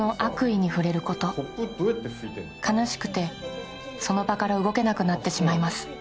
悲しくてその場から動けなくなってしまいます